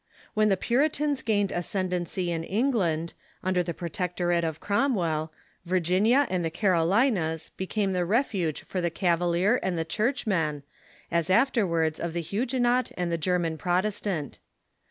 When the Puritans gained ascendency in England, under the Protector ate of Cromwell, yirginia and the Carolinas became the refuge for the Cavalier and the Churchman, as afterwards of the Hu guenot and the German Protestant.